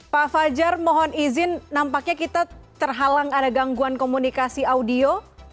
pak fajar mohon izin nampaknya kita terhalang ada gangguan komunikasi audio